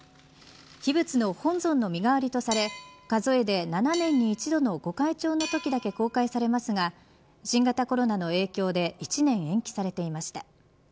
秘仏の本尊の身代わりとされ数えで７年に１度の御開帳のときだけ公開されますが新型コロナの影響で１年延期されていました。